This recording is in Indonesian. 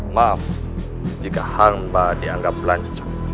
maaf jika hamba dianggap lancung